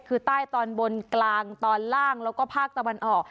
คือใต้ตอนบนกลางตอนล่างแล้วก็ภาคตะวันออก